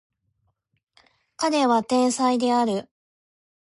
彼は天才である